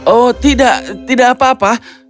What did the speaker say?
oh tidak tidak apa apa